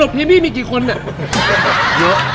ตลกที่นี่มีกี่คนเนี่ย